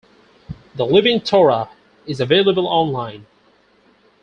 "The Living Torah" is available online.